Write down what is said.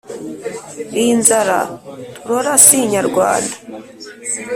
iyi nzara turora si inyarwanda